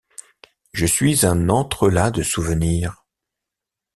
Je suis un entrelacs de souvenirs.